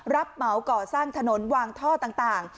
เหมาก่อสร้างถนนวางท่อต่าง